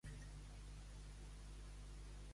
Quina postura manté, l'àngel?